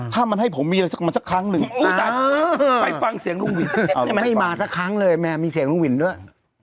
ถ้ามันให้ผมมีมันสักครั้งนึงอาหารให้มาสักครั้งเลยแม่มีเสียงวินด์ด้วย